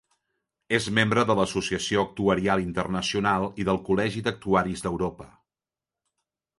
És membre de l'Associació Actuarial Internacional i del Col·legi d'Actuaris d'Europa.